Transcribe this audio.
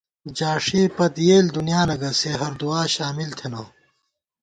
جاݭےپت یېل دُنیانہ گہ سےہر دُعا شامل تھنہ